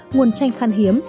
nguồn chanh khăn hiếm